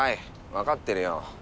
分かってるよ。